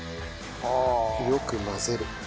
よく混ぜる。